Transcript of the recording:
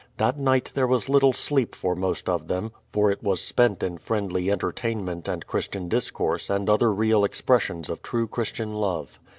That night there was Httle sleep for most of them, for it was spent in friendly entertainment and Christian discourse and other real expressions of true Christian love.